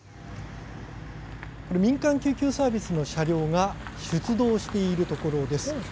民間救急サービスの車両が出動しているところです。